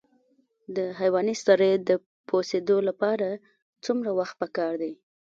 د حیواني سرې د پوسیدو لپاره څومره وخت پکار دی؟